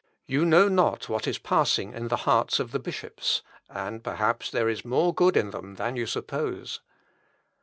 You know not what is passing in the hearts of the bishops; and, perhaps, there is more good in them than you suppose."